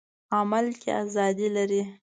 عمل کې ازادي لري.